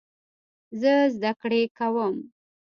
زه زده کړې کوم.